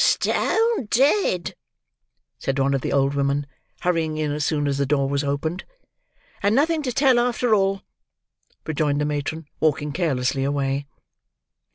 "Stone dead!" said one of the old women, hurrying in as soon as the door was opened. "And nothing to tell, after all," rejoined the matron, walking carelessly away.